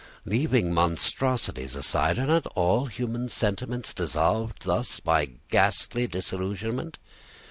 Leaving monstrosities aside, are not all human sentiments dissolved thus, by ghastly disillusionment?